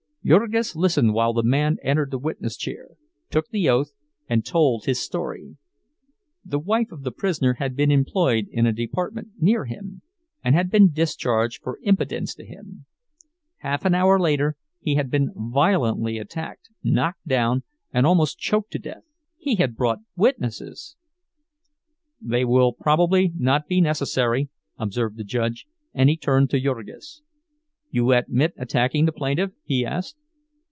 Jurgis listened while the man entered the witness chair, took the oath, and told his story. The wife of the prisoner had been employed in a department near him, and had been discharged for impudence to him. Half an hour later he had been violently attacked, knocked down, and almost choked to death. He had brought witnesses— "They will probably not be necessary," observed the judge and he turned to Jurgis. "You admit attacking the plaintiff?" he asked.